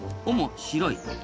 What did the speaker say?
尾も白い。